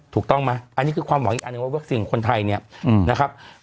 ถูกต้องไหมอันนี้คือความหวังอีกอันหนึ่งว่าวัคซีนคนไทยเนี่ยนะครับ